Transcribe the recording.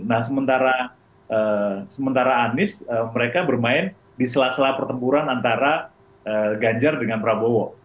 nah sementara anies mereka bermain di sela sela pertempuran antara ganjar dengan prabowo